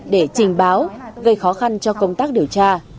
để trình báo gây khó khăn cho công tác điều tra